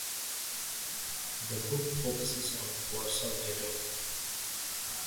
The book focuses on the Warsaw Ghetto.